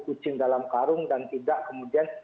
kucing dalam karung dan tidak kemudian